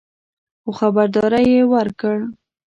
خو خبرداری یې ورکړ